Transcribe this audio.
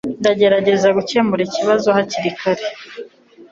Ndagerageza gukemura ikibazo hakiri kare .